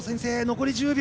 残り１０秒。